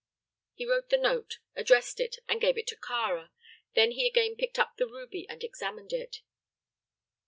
He wrote the note, addressed it, and gave it to Kāra. Then he again picked up the ruby and examined it.